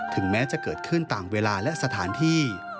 แม้จะเกิดขึ้นตามเวลาและสถานที่